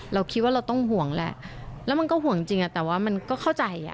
เราคิดว่าเราต้องห่วงแหละแล้วมันก็ห่วงจริงแต่ว่ามันก็เข้าใจ